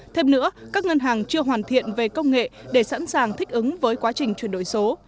thêm nữa các ngân hàng chưa hoàn thiện về công nghệ để sẵn sàng thích ứng với quá trình chuyển đổi số